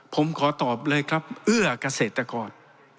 ผมขอตอบเลยครับเอื้อเกษตรกร